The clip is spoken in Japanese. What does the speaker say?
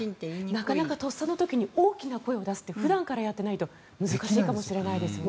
なかなかとっさの時に大きな声を出すって普段からやっておかないと難しいかもしれないですよね。